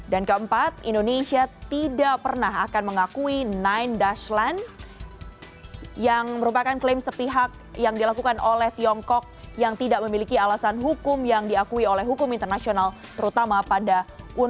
dan keempat indonesia tidak pernah akan mengakui nine dash land yang merupakan klaim sepihak yang dilakukan oleh tiongkok yang tidak memiliki alasan hukum yang diakui oleh hukum internasional terutama pandemi